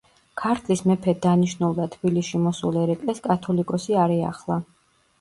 ქართლის მეფედ დანიშნულ და თბილისში მოსულ ერეკლეს კათოლიკოსი არ ეახლა.